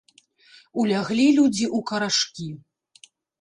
Уляглі людзі ў карашкі.